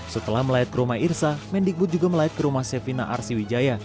setelah melayat ke rumah irsa mendikbud juga melayat ke rumah sevina arsi wijaya